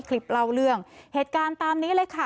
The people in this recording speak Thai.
คลิปเล่าเรื่องเหตุการณ์ตามนี้เลยค่ะ